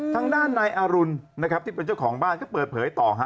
ทางด้านนายอรุณนะครับที่เป็นเจ้าของบ้านก็เปิดเผยต่อฮะ